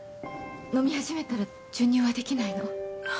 飲み始めたら授乳はできないの。